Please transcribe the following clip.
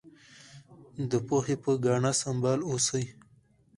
د پوهې په ګاڼه سمبال اوسئ.